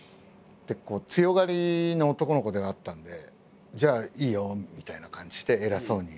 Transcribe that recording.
強がりの男の子ではあったんで「じゃあいいよ」みたいな感じで偉そうに。